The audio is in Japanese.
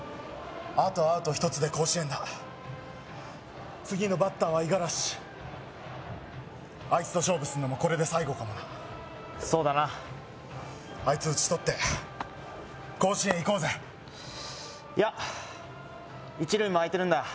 あとアウト１つで甲子園だ次のバッターはイガラシあいつと勝負するのもこれで最後かもなそうだなあいつ打ち取って甲子園行こうぜいや１塁も空いてるんだ